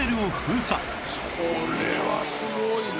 これはすごいな。